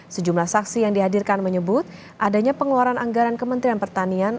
sejumlah saksi yang dihadirkan menyebut adanya pengeluaran anggaran kementerian pertanian